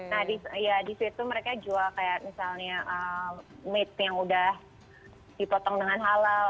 nah di situ mereka jual misalnya meat yang sudah dipotong dengan halal